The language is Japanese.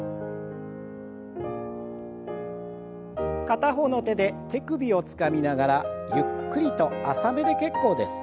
片方の手で手首をつかみながらゆっくりと浅めで結構です。